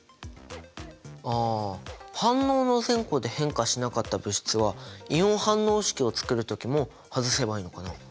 あ反応の前後で変化しなかった物質はイオン反応式を作る時も外せばいいのかな。